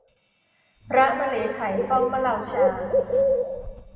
พระมะเหลไถเฝ้ามะเลาชา